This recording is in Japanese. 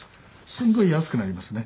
すごい安くなりますね。